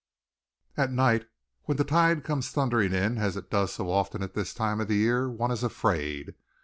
At night, when the tide comes thundering in as it does so often at this time of the year, one is afraid.